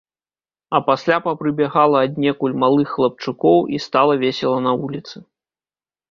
А пасля папрыбягала аднекуль малых хлапчукоў, і стала весела на вуліцы.